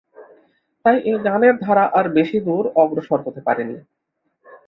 তাই এ গানের ধারা আর বেশি দূর অগ্রসর হতে পারেনি।